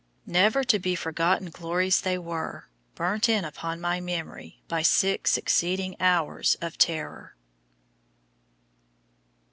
Never to be forgotten glories they were, burnt in upon my memory by six succeeding hours of terror.